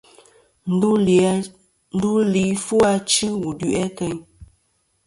Ndu li fu achɨ wul du'i ateyn.